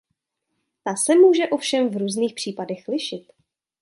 Ta se může ovšem v různých případech lišit.